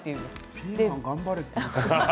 ピーマン頑張れ。